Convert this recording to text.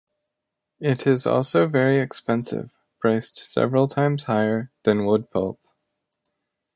It is also very expensive, priced several times higher than woodpulp.